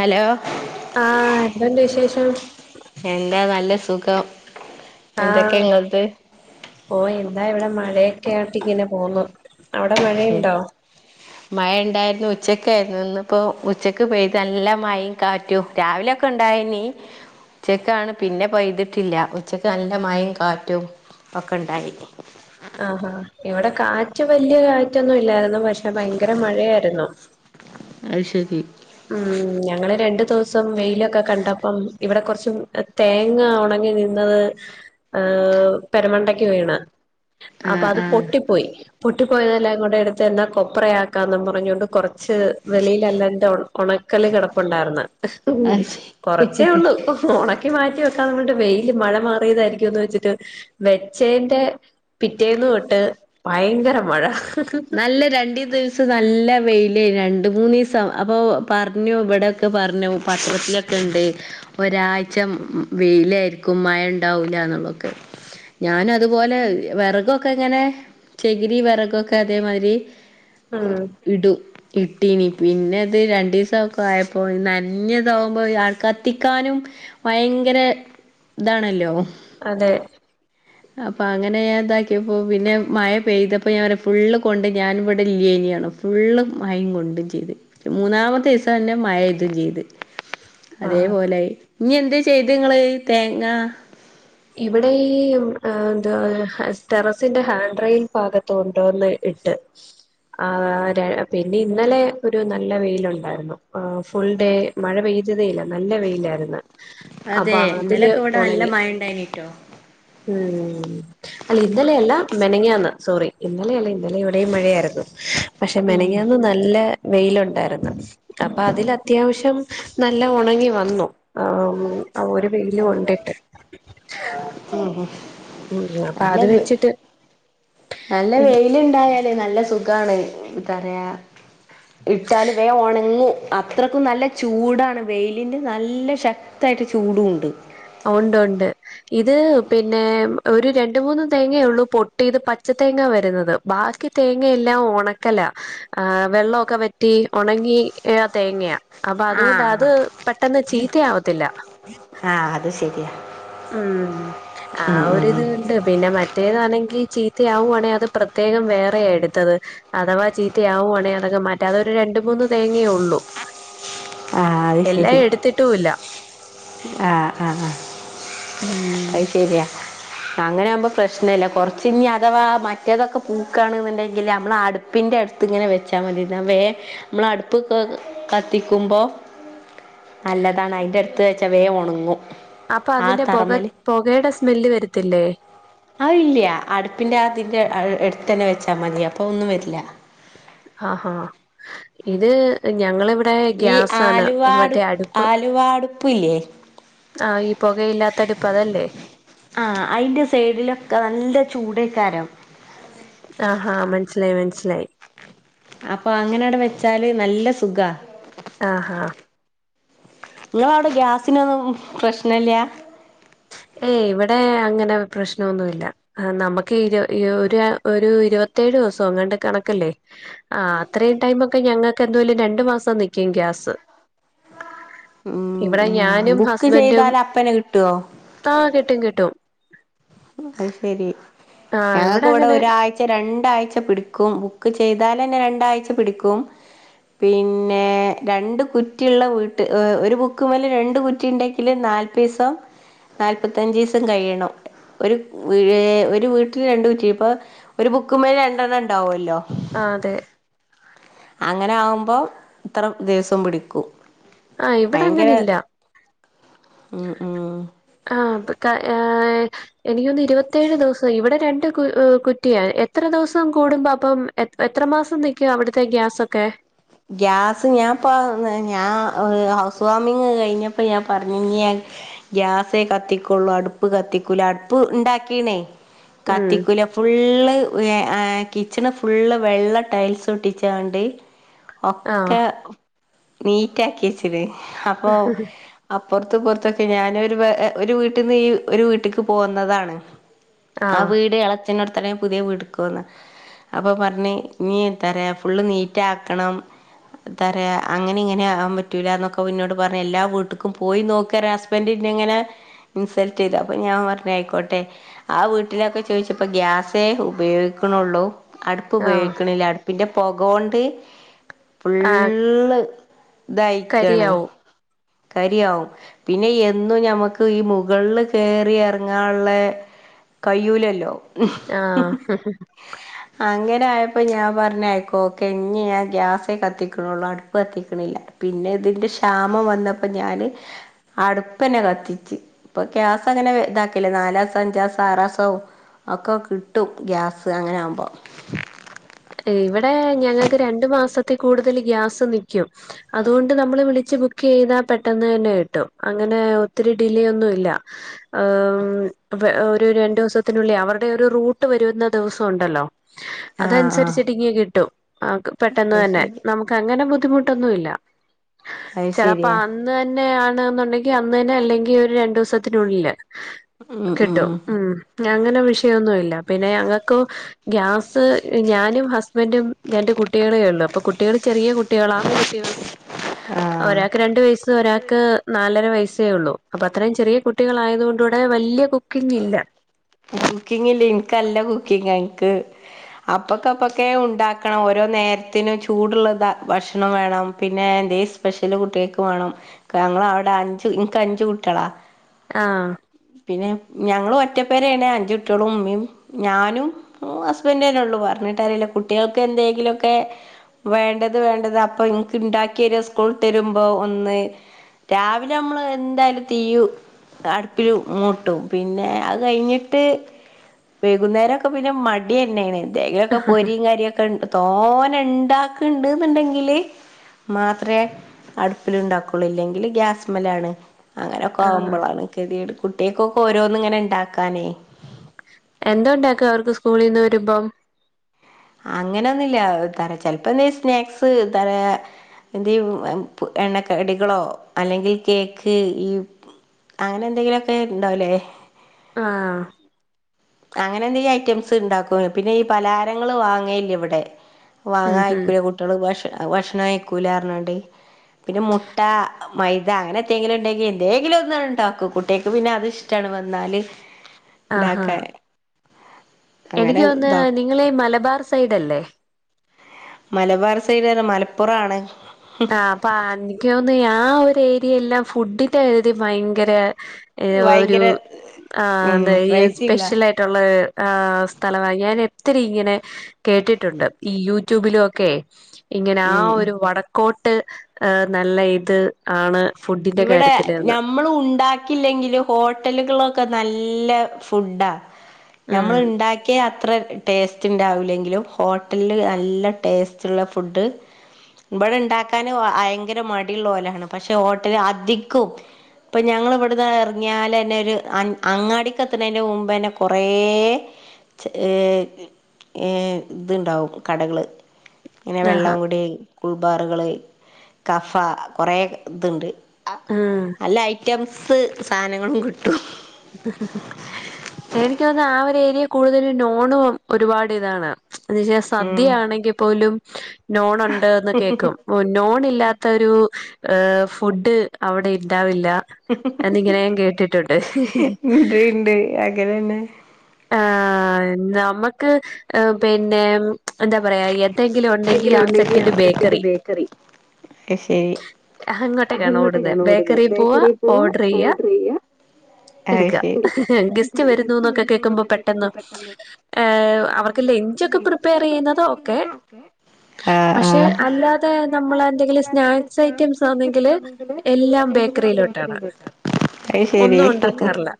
Hello? ആഹ് എന്തൊണ്ട് വിശേഷം. എന്താ നല്ല സുഖം. എന്തൊക്കെ ആഹ് ഇങ്ങൾത് ഓ എന്താ ഇവിടെ മഴയൊക്കെ ആട്ട് ഇങ്ങനെ പോന്നു. അവടെ മഴയിണ്ടോ? മഴ ഇണ്ടാരുന്നു. ഉച്ചക്കാരുന്നു ഇന്നിപ്പൊ ഉച്ചക്ക് പെയ്ത് നല്ല മയും കാറ്റു. രാവിലൊക്കെ ഉണ്ടായിനി. ഉച്ചക്കാണ് പിന്നെ പെയ്തിട്ടില്ല. ഉച്ചക്ക് നല്ല മയ്യും, കാറ്റും, ഒക്കെ ഇണ്ടായിനി. ആഹാ ഇവടെ കാറ്റ് വലിയ കാറ്റൊന്നും ഇല്ലാരുന്നു പക്ഷെ ഭയങ്കര മഴയാരുന്നു. അയ് ശരി ഉം ഞങ്ങള് രണ്ട് ദിവസം വെയിലൊക്കെ കണ്ടപ്പം ഇവടെ കൊറച്ചും തേങ്ങ ഒണങ്ങി. ഇന്ന് പെരമണ്ടക്ക് വീണ്. അപ്പൊ ആഹ് അത് ആഹ് പൊട്ടിപ്പോയി പൊട്ടിപ്പോയതെല്ലാകൂടെട്ത്ത് എന്ന കൊപ്രയാക്കാന്നും പറഞ്ഞോണ്ട്. കൊറച്ച് വെളിയിലല്ലാട് ഒണക്കല് കെടപ്പൊണ്ടാര്ന്ന്. ഉ അത് ശരി കൊറച്ചേ ഉള്ളൂ. ഓണക്ക ക്കി മാറ്റി വെക്കാൻ പറഞ്ഞിട് വെയില് മഴ മാറിയതായിരിക്കുംന്ന്. വെച്ചിട്ട് വെച്ചേന്റെ പിറ്റേന്ന് തൊട്ട് ഭയങ്കര മഴ. നല്ല രണ്ട് ദിവസം നല്ല വെയില് രണ്ട് മൂന്ന് ദിവസം അപ്പൊ പറഞ്ഞു. ഇവിടെ ക്കെ പറഞ്ഞു പത്രത്തിലൊക്കെ ഉണ്ട്. ഒരാഴ്ച വെയില് ആയിരിക്കും മഴ ഉണ്ടാവൂല എന്നുള്ള തൊക്കെ ഞാന് അതുപോലെ വിറകൊക്കെ ഇങ്ങനെ ചെകിരി വിറകൊക്കെ ഒക്കെ അതേമാതിരി ഉം ഇടും. ഇട്ടീന് പിന്നെത് രണ്ടു ദിവസം ഒക്കെ ആയപ്പോ നനഞ്ഞത് അകുമ്പോ ആൾ ക്കത്തിക്കാനും. ഭയങ്കര ഇതാണല്ലോ. അതെ അപ്പൊ അങ്ങനെ ഞാൻ ഇതാക്കിയപ്പോ പിന്നെ മഴ പെയ്തപ്പോ ഞാൻ ഫുള്ള് കൊണ്ട് ഞാനിവിടെ ഇല്ല്യനി ലോ ഫുള്ളും മൈം കൊണ്ടും ചെയ്തു മൂന്നാമത്തെ ദിസം തന്നെ മഴയ്തും ചെയ്തു ആഹ് അതേപോലെ ആയി ഇഞ്ഞ് എന്തേ ചെയ്ത്ങ്ങള് തേങ്ങാ ഇവിടെ ഈ എന്ത ടെറസിന്റെ ഹാൻഡ് റൈയിൽ ഭാഗത്ത് കൊണ്ടുവന്നു ഇട്ട് ആ് ര പിന്നെ ഇന്നലെ ഒരു നല്ല വെയില് ഉണ്ടാരുന്നു ഫുൾ ഡേ മഴ പെയ്തതേ ഇല്ല നല്ല വെയിലാരുന്ന് അതെ ഇന്നലക്ക ഇവിടെ നല്ല മഴ ഉണ്ടായിനിറ്റോ ഉം അല്ല ഇന്നലെയല്ല മെനങ്ങന്ന് സോറി ഇന്നലെയല്ല ഇന്നലെ ഇവിടെയും മഴയാരുന്നു പക്ഷെ മെനങ്ങന്ന് നല്ല വെയിലുണ്ടാരുന്നു അപ്പൊ അതിലു അത്യാവശ്യം നല്ല ഒണങ്ങി വന്നു ആ മ് ആ ഒരു വെയില് കൊണ്ടിട്ട് മ് ഉം അപ്പൊ നല്ല അത് വേ വെച്ചിട്ട് നല്ല വെയി ല് നണ്ടായാല് നല്ല സുഖാണ് ത്താ റയാ ഇട്ടാൽ വേ ഒണങ്ങും അത്രയ്ക്കും നല്ല ചൂടാണ് വെയിലിൻ്റെ നല്ല ശക് കത്തായിട്ട് ചൂടുും ഉണ്ട് ഒണ്ട് ഒണ്ട് ഇത് പിന്നെ ഒരു രണ്ട് മൂന്ന് തേങ്ങയ ഉള്ളൂ പൊട്ടിയത് പച്ച തേങ്ങ വരുന്നത് ബാക്കി തേങ്ങ എല്ലാം ഒണക്കല ആ വെള്ളക്കെോ വറ്റി ഒണങ്ങി തേങ്ങയാ അപ്പൊ അതുകൊണ്ട് ആഹ് അത് പെട്ടെന്ന് ചീത്ത ആവത്തില്ല ആഹ് അത് ശരിയാ ഉം ആ ഒരി ഇത് ഉണ്ട് പിന്നെ മറ്റേതാണെങ്കിൽ ചീത്തയാവുവാണെങ്കിൽ അത് പ്രത്യേകം വേറെ എടുത്തത് അഥവാ ചീത്തയാവുവാണെങ്കി അതൊക്കെ മറ്റാ അതൊരു രണ്ട മൂന്ന് തേങ്ങയേ ഉള്ളൂ ആഹ് എല്ലാം എടുത്തിട്ടൂല്ല ആഹആഹ ഉം ആഹ് ശരിയാ അങ്ങനെ ആവുമ്പോ പ്രശ്നമല്ല കൊറച്ച ഇനി അഥവാ മറ്റേതൊക്കെ പൂക്കാണ്ുണ്ടെങ്കില് നമ്മള് അടു പ്പിന്റെ അടുത്ത് ഇങ്ങനെ വെച്ചാൽ മതി വേ നമ്മള അടുപ്പ് കത്തിക്കുമ്പോ നല്ലതാണ് അയിന്റെ അടുത്ത് വെച്ച വേ ഒണങ്ങും അപ്പൊ ആ അതിന്റെ പോക തറമല് പോകടെ സ്മെല്ല് വരത്തില്ലേ അ ഇല്ല്യാ അടുപ്പിന്റെ അതിന്റെ എടുത്ത് തന്നെ വെച്ചാ മതി അപ്പൊ ഒന്നും വരില്ല ആഹാ ഇത് ഞങ്ങളെവി ഈ ആലുവടു ആലുവടുപ്പില്ല്യ ആഹ ഈ പോകയില്ലാത്ത അടുപ്പ് അതല്ലേ ആ അതിൻ്റെ സൈഡിലൊക്കെ നല്ല ചൂടേക്കാരം ആഹാ മനസ്സിലായി മനസ്സിലായി അപ്പൊ അങ്ങനെ അവിടെ വെച്ചാല് നല്ല സുഖാ ആഹാ ങ്ങള അവിടെ ഗ്യാസിനൊന്നും പ്രശ്നല്ല്യ ഏയ് ഇവിടെ അങ്ങനെ പ്രശ്നോന്നുല്ല ആ നമുക്ക് ഒരു ഇരു ഒരു ഇരുപത്തേഴ് ദിവസം അങ്ങണ്ട് കണക്കല്ലേ ആ അത്രയും ടൈം ഒക്കെ ഞങ്ങൾക്ക് എന്തലും രണ്ടു മാസം നിക്കും ഗ്യാസ് ഉ ഇവിടെ ഉ ഞാനും ബുക്ക് ഹസ്ബൻഡും ചെയ്താൽ അപ്പേന്നേ കിട്ടോ ആ കിട്ടും കിട്ടും അത് ശെരി ആ ഞങ്ങൾക്ക് ഇവിടെ അങ്ങനെ ഒരാഴ്ച രണ്ടാഴ്ച പിടിക്കും ബുക്ക് ചെയ്താലേന്നെ രണ്ടാഴ്ച്ച പിടിക്കും പിന്നെ രണ്ട് കുറ്റിയുള്ള വീട്ട് ഒരു ബുക്കുമല രണ്ട കുറ്റി ഉണ്ടെങ്കിൽ നാല് പസ നാല്പ്പത്തഞ്ച്സും കഴിയണോ ഒരു ഒരു വീട്ടിൽ രണ്ട കുറ്റി ഇപ്പൊ ഒരു ബുക്ക്മേൽ രണ്ടെണ്ണം ഉണ്ടാവുമല്ലോ ആ അതെ അങ്ങനെ ആകുമ്പോ ഇത്ര ദിവസം പിടിക്കും ആ ഇവിടെ ഭയങ്കര അങ്ങനെ ഇല്ല ഉ ഉം ആഹ അപ്പൊ ഏ എനിക്കൊന്ന് ഇരുപത്തേഴ് ദിവസം ഇവിടെ രണ്ട് കുട്ടിയാണ് എത്ര ദിവസം കൂടുമ്പോ അപ്പം എ എത്ര മാസം നിൽക്കും അവിടുത്തെ ഗ്യാസൊക്കെ ഗ്യാസ് ഞാൻപ്പ ഞാൻ ഹൗസ് വാമിങ് കഴിഞ്ഞപ്പോ ഞാൻ പറഞ്ഞ ഗ്യാസേ കത്തിക്കൊള്ളൂ അടുപ്പ് കത്തിക്കുല അടുപ്പ് ഉണ്ടാക്കീണേ ഉം കത്തിക്കുല ഫുള്ള് കിച്ചണ് ഫുള്ള് വെള്ള ടൈൽസ് ഒട്ടിച്ച കൊണ്ട് ആഹ് ഒക്കെ നീറ്റ ആക്കി വച്ചിത് അപ്പൊ അപ്പുറത്ത് പുറത്തൊക്കെ ഞൻ ഒരു ഒരു വീട്ടിൽന്ന് ഈ ഒരു വീട്ടേക്ക് പോകുന്നതാണ് ആ ആഹ് വീട് ഇളച്ചനോട്ത്തന്നെ പുതിയ വീട്ക്കന്ന അപ്പോൾ പറഞ്ഞ് ഇനി എന്താ പറയാ ഫുള്ള് നീറ്റ ആക്കണം ന്ത പറയാ അങ്ങനെ ഇങ്ങനെ ആകൻ പറ്റൂല എന്നൊക്കെ മന്നോട്ടട് പറഞ്ഞഞ് എല്ലാ വീട്ടക്കും പോയി നോക്ക ബറ്ന്ന എങ്ങനെ ഇൻസൾട്ട് ചെയ്തു അപ്പൊ ഞാൻ പറഞ്ഞയിക്കോട്ടെ ആ വീട്ടിലൊക്കെ ചോദിച്ചപ്പോ ഗ്യാസേ ഉപയോഗിക്കണള്ളൂ അടുപ്പ് ആഹ് ഉപയോഗിക്കണില്ല അടുപ്പിന്റെ പോകോണ്ട് ആഹ് ള്ള് ദയ്ക്കണേ കരിയാവും കരിയാവും പിന്നെ എന്നും ഞമക്ക് ഈ മുകളിൽ കയറി ഇറങ്ങാനുള്ള കഴൂലല്ലോ ഹ്ഹ്മ് ആഹ് അങ്ങനെ ആയപ്പോ ഞാൻ പറഞ്ഞായിക്കോ ഓക്കെ ഇനി ഗ്യാസേ കത്തിക്കണള്ളു അടുപ്പ് കത്തിക്കണില്ല പിന്നെ ഇതിന്റെ ക്ഷാമം വന്നപ്പോ ഞാന് അടുപ്പ്ന്നെ കത്തിച്ച് ഇപ്പൊ ഗ്യയാസ അങ്ങനെ ഇതാക്കല്ലേ നാലാസം അഞ്ചാസം ആറാസവും ഒക്കെ കിട്ടും ഗ്യാസ് അങ്ങനെ ആകുമ്പോൾ ഇവിടെ ഞങ്ങൾക്ക് രണ്ടു മാസത്തിൽ കൂടുതൽ ഗ്യാസ് നൽക്കും അതുകൊണ്ട് നമ്മള് വിളിച്ച് ബുക്ക് ചെയ്താ പെട്ടെന്ന് തന്നെ കിട്ടും അങ്ങനെ ഒത്തിരി ഡിലേ ഒന്നും ഇല്ല ഒരു രണ്ടു ദിവസത്തിനുള്ളിൽ അവരുടെ ഒരു റൂട്ട് വരുന്ന ദിവസം ഉണ്ടല്ലോ ആഹ ആഹ ഭ കിട്ടും പെട്ടെന്ന് തന്നെ നമുക്ക് അങ്ങനെ ബുദ്ധിമുട്ടൊന്നുമല്ല അത് ചലപ്പ ശരിയാ അ ന്ന് തന്നെയ ആണെന്നുണ്ടെങ്കിൽ അന്ന് തന്നെ അല്ലെങ്കിൽ ഒരു രണ്ടു ദിവസത്തിനുള്ളില് കിട്ടും ഉം അങ്ങനെ വിഷയമൊന്നുമല്ല പിന്നെ ഞങ്ങൾക്ക് ഗ്യാസ് ഞാനും ഹസ്ബൻറും ഞന്റെ കുട്ടികളേ ഉള്ളു അപ്പ കുട്ടികൾ ചെറിയട്ട കുട്ടികളാ ആഹ് ഒരാൾക്ക് രണ്ട് വയസ് ഒരാൾക്ക് നാലര വയസ്സേ ഉള്ളൂ അപ്പൊ അത്രയും ചെറിയ കുട്ടികൾയതുക കൊണ്ട് ഇവിടെ വലിയ കുക്കിംഗ ഇല്ല കുക്കിങ്ങിൽ എനക്ക്ല്ല കുക്കിങ്ങ എനിക്ക് അപ്പൊക്കെ അപ്പൊക്കെ ഉണ്ടാക്കണം ഓരോ നേരത്തിനും ചൂടുള്ളതാ ഭക്ഷണം വേണം പിന്നെ എന്ത സ്പെഷ്യല് കുട്ടികക്ക് വേണം ഞങ്ങൾ അവിടെ അഞ്ച് ഇനിക്ക് അഞ്ചു കുട്ടികളാ ആഹ് പിന്നെ ഞങ്ങളും ഒറ്റ പേരണേ അഞ്ച കുട്ടികളും ഉമ്മയും ഞാനും ഹസ്ബൻഡേന്നെ ഉള്ളു പറഞ്ഞിട്ട് അറിയില്ലേ കുട്ടികൾക്ക് എന്തെങ്കിലുംക്കെ വേണ്ടത് വേണ്ടത് അപ്പൊ എനിക്ക് ഉണ്ടാക്കി വരി സ്കൂൾ തരുമ്പോ ഒന്ന് രാവിലെ നമ്മള് എന്തായാലും തീ അടുപ്പിൽങ്ങൂട്ടും പിന്നെ അത് കഴിഞ്ഞിട്ട് വൈകുന്നേരംക്കെ പിന്നെ മടി തന്നെയാണ് എന്തങ്കിലൊക്കെ പൊരിയും കാര്യൊക്കെ തോന ഉണ്ടാക്കണ്ട് എന്നുണ്ടെങ്കില് മാത്രേ അടുപ്പിലുണ്ടാക്കുള്ളൂ ഇല്ലെങ്കില് ഗ്യാസ്മ്മേലാണ് അങ്ങനെയൊക്കെ ആഹ് ആവുമ്പോളാണ് കെതിയേട് കുട്ടികൾക്കൊക്കെ ഓരോന്നിങ്ങനെ ഉണ്ടാക്കാനേ എന്തോ ഉണ്ടാക്കും അവർക്ക് സ്കൂളിന്ന് വരുമ്പം അങ്ങനെയൊന്നുമില്ല തറ ചെലപ്പോന്ന സ്നാക്സ് തറയാ എന്തെയും എണ്ണക്കടികളോ അല്ലെങ്കിൽ കേക്ക് ഈ- അങ്ങനെ എന്തെങ്കിലുമൊക്കെ ഉണ്ടാവല്ലേ ആഹ് അങ്ങനെ എന്തെങ്കും ഐറ്റംസ് ഉണ്ടാക്കും പിന്നെ ഈ പലാരങ്ങൾ വാങ്ങല്ല ഇവിടെ വാങ്ങ ഉം ഉം അയക്കൂല കുട്ടികള് ഭ ഭക്ഷണം അയക്കൂല അറിഞ്ഞാണ്ട് പിന്നെ മുട്ട മൈദ അങ്ങനെ എങ്കിലും ഉണ്ടെങ്കിൽ എന്തെങ്കിലും ഒന്ന ഉണ്ടാക്കും കുട്ടികക്ക് പിന്നെ അത് ഇഷ്- ടാണ് വന്നാല് ആഹാ ഉണ്ടാക്കാൻ - എനിക്ക് തൊന്ന് ഇതാക്കും നിങ്ങളീ മലബാർ സൈഡല്ലേ മലബാർ സൈഡ് തന്ന മലപ്പുറാണ് ആഹ് അപ്പ എനിക്ക് തോന്ന് ആഹ് ഒരു ഏരിയയെല്ലാം ഫുഡിന്റെ കര്യത്തി ഭയങ്കര- ഏഹ് ഒരു ഭയങ്കര ആഹ് ഉം എന്താ ഇ ക്രൈസിള്ള സ്പെഷ്യൽയിട്ട്- ട്ടൊള്ള ആഹ് സ്ഥലവാ ഞാൻ എത്തിരി ഇങ്ങനെ- കേട്ടിട്ടുണ്ട് ഈ യൂട്യൂബിലും ഒക്കെ ഇങ്ങനെ ആഹ് ഉം ഒരു വടക്കോട്ട് നല്ല ഇത് ആണ് ഫുഡി ഇവിടെ ഞം നമ്മള് ഉണ്ടാക്കില്ലെങ്കില് ഹോട്ടലുകളൊക്കെ നല്ല ഫുഡാ- ഉം ഞമ്മൾ ഉണ്ടാക്ക് ക്കിയ അത്ര ടേസ്റ്റ് ഉണ്ടാവൂല്ലെങ്കിലും ഹോട്ടലില് നല്ല ടേസ്റ്റ്ള്ള ഫുഡ് ഇവിടെ ഉണ്ടാക്കാൻ ഭയങ്കര മടിയുള്ള പോലെയാണ് പക്ഷെ ഹോട്ടല് അധികവും- ഇപ്പം ഞങ്ങളി ഇവിടുന്ന് എറങ്ങിയാല്ന്നെ ഒരു അങ്ങാടിക്കത്തുന്നതിൻ്റെ മുമ്പ്ന്നെ കുറേ- ചെറിയേഏഹ് ഇതുണ്ടാവും കടകള് ഇങ്ങനെ ആഹാ വെള്ളംകുടി കുൾബാറുകള് കഫ കൊറേ ഇതുണ്ട് ആഹ് നല്ല ഐറ്റംസ് സാധനങ്ങളും കിട്ടും എനിക്ക് തോന്ന് ആ ഒരു ഏരിയ കൂടുതലും നോണും ഒരുപാട് ഇതാണ് എന്ന വച്ചാ ഉം സദ്യയാണെങ്കി പോലും നോണൊണ്ട്ന്ന് കേക്കും നോണില്ലാത്തൊരു- ഏഹ് ഫുഡ് അവിടെ ഉണ്ടാവില്ല എന്നിങ്ങനെ ഞാൻ കേട്ടിട്ടുണ്ട് ഉന്ത് ഉണ്ട് അങ്ങനന്നെ ആഹ് നമുക്ക് പിന്നെ എന്താ പറയാ എന്തെങ്കിലും ഉണ്ടെങ്കിൽ ആ സെക്കൻഡ് ബേക്കറി ശരി അങ്ങോട്ടേക്കാണ് ഓടുന്നേ ബേക്കറിൽ പോവാ ഓർഡർ ചെയ്യ- അത് എടുക്ക ശരി കുടിക്കുക ഗസ്റ്റ് വരുന്നു എന്നൊക്കെ കേ ക്ക്മ്പൊ പെട്ടെന്ന് അവർക്ക് ലഞ്ചൊക്കെ പ്രിപ്പയർ ചെയ്യുന്നതോക്കെ- ആ ആ പക്ഷെ അല്ലാതെ നമ്മള് എന്തെങ്കിലും സ്നാക്സ് ഐറ്റംസാണെങ്കില്- എല്ലാം ബേക്കറിയിലോട്ടാണ് അത് ശരി ഒന്നും ഒണ്ടാക്കാറില്ല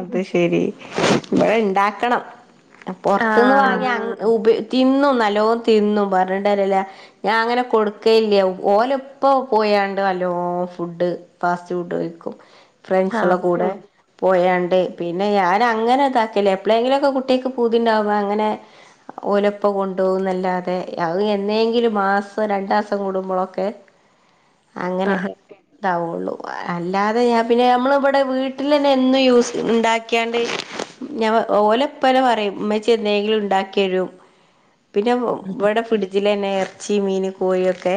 അത് ശെരി ഇവിടെ ഇണ്ടാക്കണം പൊറത്ത്ന്ന് ആഹ് വാങ്ങി ഉപ തിന്നും നല്ലോ തിന്നും പറഞ്ഞിണ്ടല്ലല്ല- ഞാൻ അങ്ങനെ കൊടുക്കയില്ല ഓലപ്പ പോയണ്ട് അല്ലോ ഫുഡ് ഫാസ്റ്റ് ഫുഡ് വിക്കും ഫ്രണ്ട്സള്ള ആഹ് കൂടെ പോയണ്ട് പിന്നെ ഞാൻ അങ്ങനെ ഇതാക്കല്ല എപ്പളെങ്കിലും ഒക്കെ കുട്ടിക്ക് പൂതിണ്ടാവ്പ അങ്ങനെ ഓലുപ്പ കൊണ്ടുന്നല്ലാത മേ ആഎന്നെങ്കിലും മാസം രണ്ട് മാസം കൂടുമ്പോളൊക്കെ അങ്ങനെ ആഹ് ഇതാവള്ളൂ അല്ലാതെ ഞാ പിന്നെ നമ്മളിവിടെ വീട്ടിൽ തന്നെ എന്നും യൂസ് ഉണ്ടാക്കിയാണ്ട് ഞ ഓല പോലെ പറയും ഉമ്മ ചെന്നെങ്കിലും ഉണ്ടാക്കി എഴും പിന്നെ ഇവിടെ ഫിഡജില തന്നെ ഇറച്ചി മീൻ കോഴിയ ഒക്കെ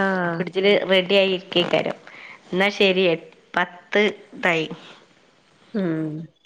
ആഹ് പിടിച്ചിട്ട റെഡി ആയി എന്നാൽ ശരി പത്ത് തായി ഉം